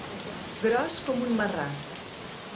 Gros com un marrà.